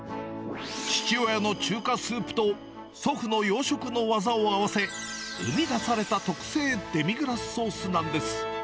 父親中華スープと祖父の洋食の技を合わせ、生み出された特製デミグラスソースなんです。